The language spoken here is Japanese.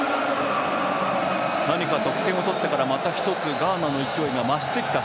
何か得点を取ってからまた１つガーナの勢いが増してきた